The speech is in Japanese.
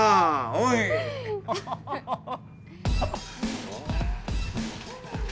おいハハハ。